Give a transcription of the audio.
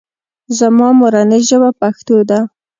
زما مورنۍ ژبه پښتو ده